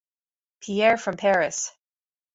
Pierre from Paris.